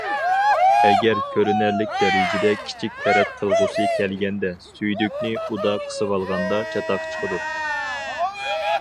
ئەگەر كۆرۈنەرلىك دەرىجىدە كىچىك تەرەت قىلغۇسى كەلگەندە، سۈيدۈكنى ئۇدا قىسىۋالغاندا، چاتاق چىقىدۇ.